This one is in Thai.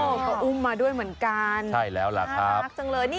โอ้ก็อุ้มมาด้วยเหมือนกันใช่แล้วล่ะครับมากจังเลย